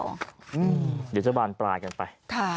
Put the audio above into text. เดี๋ยวจะบานปลายกันไป